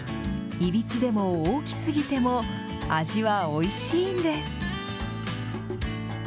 いびつでも大きすぎても味はおいしいんです！